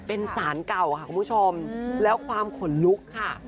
เป็นสารเก่าค่ะคุณผู้ชมแล้วความขนลุกค่ะ